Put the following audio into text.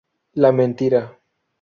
La mentira